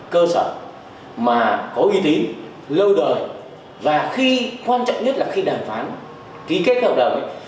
cơ sở mà có uy tín lâu đời và khi quan trọng nhất là khi đàm phán ký kết hợp đồng ấy